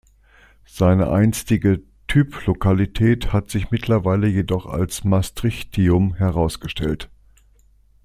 Seine einstige Typlokalität hat sich mittlerweile jedoch als Maastrichtium herausgestellt.